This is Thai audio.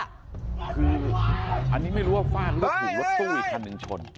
คืออันนี้ไม่รู้ว่าฟาดรถถูกรถตู้อีกคันหนึ่งชน